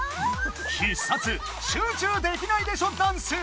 必殺「集中できないでしょダンス」！